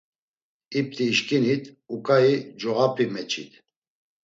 İpti işǩinit, uǩai cuğap̌i meçit.